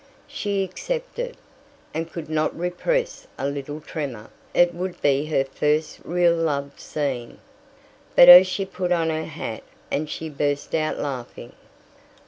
She accepted, and could not repress a little tremor; it would be her first real love scene. But as she put on her hat she burst out laughing.